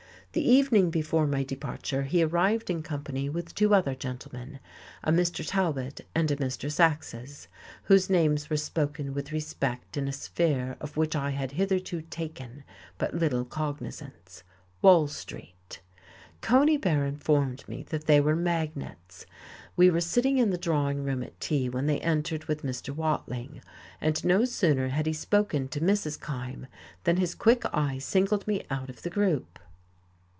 The evening before my departure he arrived in company with two other gentlemen, a Mr. Talbot and a Mr. Saxes, whose names were spoken with respect in a sphere of which I had hitherto taken but little cognizance Wall Street. Conybear informed me that they were "magnates,"... We were sitting in the drawing room at tea, when they entered with Mr. Watling, and no sooner had he spoken to Mrs. Kyme than his quick eye singled me out of the group.